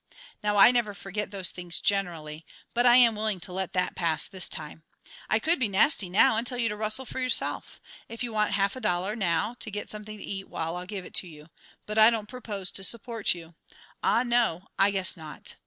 Now I never forget those things generally, but I am willing to let that pass this time. I could be nasty now and tell you to rustle for yourself. If you want half a dollar now to get something to eat, why, I'll give it to you. But I don't propose to support you. Ah, no; I guess not!